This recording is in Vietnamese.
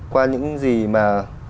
qua những gì mà